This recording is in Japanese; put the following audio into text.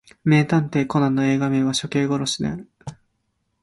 名探偵コナンの映画名は初見殺しである